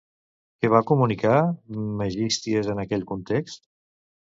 Què va comunicar Megisties en aquell context?